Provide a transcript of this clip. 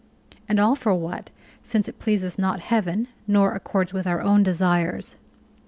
And all for what, since it pleases not heaven nor accords with our own desires?